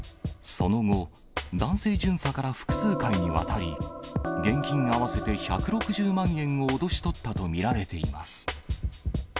その後、男性巡査から複数回にわたり、現金合わせて１６０万円を脅し取ったと見られています。